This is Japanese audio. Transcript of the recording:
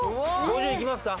５０いきますか？